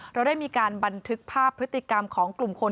เราได้มีการบันทึกภาพพฤติกรรมของกลุ่มคน